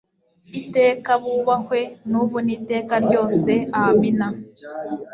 iteka ; bubahwe n'ubu n'iteka ryose. amina